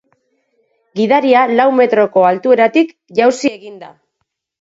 Gidaria lau metroko altueratik jausi egin da.